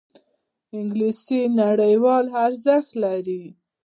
انګلیسي نړیوال ارزښت لري